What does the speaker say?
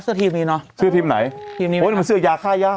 เสื้อทีมนี้เนอะเสื้อทีมไหนโอ้ยมันเสื้อยาคายา